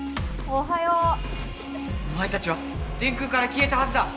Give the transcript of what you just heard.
おまえたちは電空からきえたはずだ！